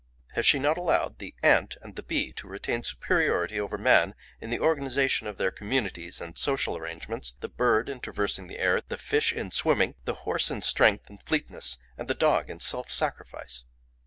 Has she not allowed the ant and the bee to retain superiority over man in the organisation of their communities and social arrangements, the bird in traversing the air, the fish in swimming, the horse in strength and fleetness, and the dog in self sacrifice?